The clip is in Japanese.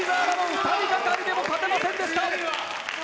二人がかりでも勝てませんでした